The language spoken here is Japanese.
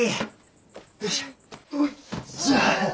よいしょ。